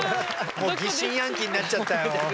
もう疑心暗鬼になっちゃったよ。